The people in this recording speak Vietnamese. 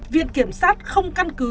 viện kiểm soát không căn cứ